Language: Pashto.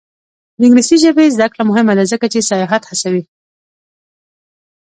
د انګلیسي ژبې زده کړه مهمه ده ځکه چې سیاحت هڅوي.